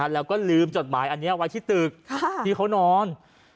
แล้วก็ลืมจดหมายอันนี้ไว้ที่ตึกที่เขานอน